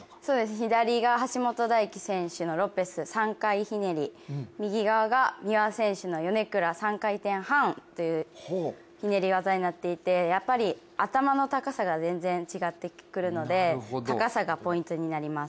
左が橋本大輝選手のロペス、３回ひねり右側が三輪選手のヨネクラ３回転半というひねり技となっていてやっぱり頭の高さが全然違ってくるので高さがポイントになります。